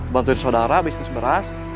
bantuin saudara bisnis beras